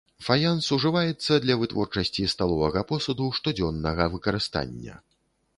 Фаянс ўжываецца для вытворчасці сталовага посуду штодзённага выкарыстання.